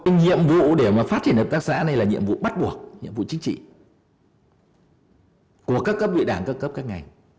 nhiệm vụ để phát triển hợp tác xã này là nhiệm vụ bắt buộc nhiệm vụ chính trị của các cấp vị đảng các cấp các ngành